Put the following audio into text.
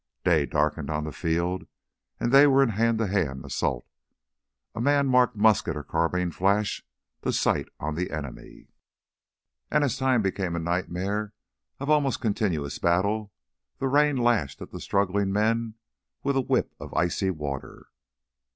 Day darkened on the field and they were in hand to hand assault. A man marked musket or carbine flash to sight on the enemy. And as time became a nightmare of almost continuous battle, the rain lashed at the struggling men with a whip of icy water.